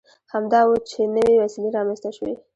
همدا و چې نوې وسیلې رامنځته شوې.